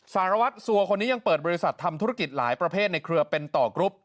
สารวัตรสัวคนนี้ยังเปิดบริษัททำธุรกิจหลายประเภทในเครือเป็นต่อกรุ๊ป